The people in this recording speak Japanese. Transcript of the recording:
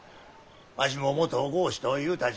わしも元郷士とゆうたち